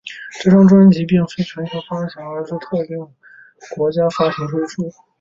这张专辑并非全球发行而是选定特定国家发行推出。